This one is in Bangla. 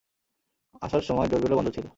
আসার সময় ডোরবেলও বন্ধ ছিল।